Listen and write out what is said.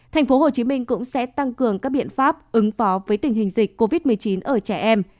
tp hcm cũng sẽ tăng cường các biện pháp ứng phó với tình hình dịch covid một mươi chín ở trẻ em